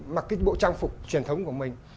mặc cái bộ trang phục truyền thống của mình